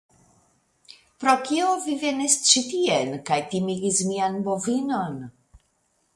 Pro kio vi venis ĉi tien kaj timigis mian bovinon?